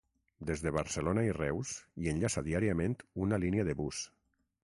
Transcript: Des de Barcelona i Reus hi enllaça diàriament una línia de bus.